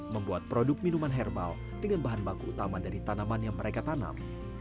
membuat produk minuman herbal dengan bahan baku utama dari tanaman yang mereka tanam